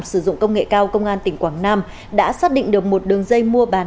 sử dụng công nghệ cao công an tỉnh quảng nam đã xác định được một đường dây mua bán